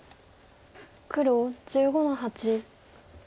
黒１５の八。